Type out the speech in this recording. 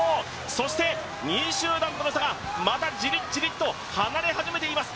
そして２位集団との差が、またじりっじりっと離れ始めています。